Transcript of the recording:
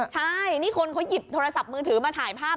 ใช่นี่คนเขาหยิบโทรศัพท์มือถือมาถ่ายภาพ